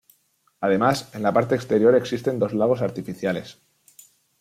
Además, en la parte exterior existen dos lagos artificiales.